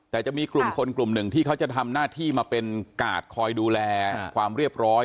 แต่จะมีกลุ่มคนกลุ่มหนึ่งที่เขาจะทำหน้าที่มาเป็นกาดคอยดูแลความเรียบร้อย